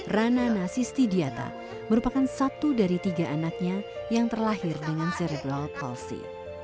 rana nasistidiata merupakan satu dari tiga anaknya yang terlahir dengan cerebral policy